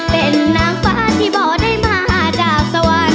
เป็นนางฟ้าที่บ่ได้มาจากสวรรค์